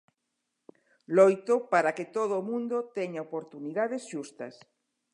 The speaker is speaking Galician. Loito para que todo o mundo teña oportunidades xustas.